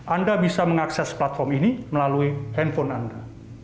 anda bisa mengakses platform ini melalui handphone anda